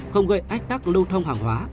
không gây ách tắc lưu thông hàng hóa